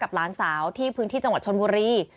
หลานสาวที่พื้นที่จังหวัดชนบุรี